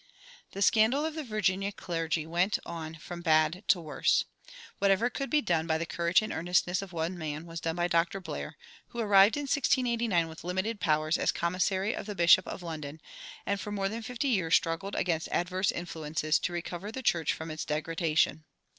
The scandal of the Virginia clergy went on from bad to worse. Whatever could be done by the courage and earnestness of one man was done by Dr. Blair, who arrived in 1689 with limited powers as commissary of the Bishop of London, and for more than fifty years struggled against adverse influences to recover the church from its degradation.